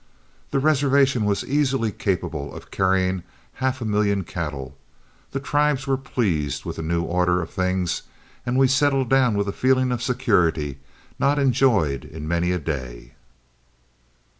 The reservation was easily capable of carrying half a million cattle, the tribes were pleased with the new order of things, and we settled down with a feeling of security not enjoyed in many a day.